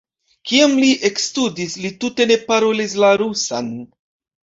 Kiam li ekstudis, li tute ne parolis la rusan.